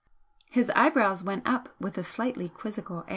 His eyebrows went up with a slightly quizzical.